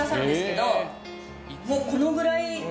もうこのぐらい。